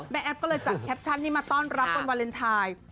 แอฟก็เลยจัดแคปชั่นนี้มาต้อนรับวันวาเลนไทย